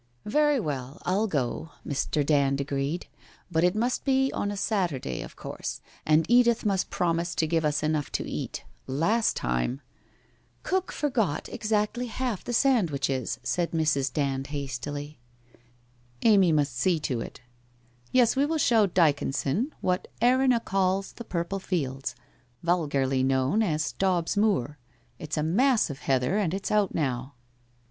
' Very well, I'll go,' Mr. Dand agreed, ' but it must be on a Saturday, of course, and Edith must promise to give us enough to eat. Last time !'' Cook forgot exactly half the sandwiches,' said Mrs. Dand hastily. ' Amy must see to it. ... Yes, we will show Dycon son what Erinna calls the Purple Fields, vulgarly known as Stobs Moor. It's a mass of heather, and it's out now.'